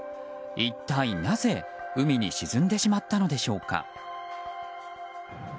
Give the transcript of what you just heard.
一体なぜ海に沈んでしまったのでしょうか。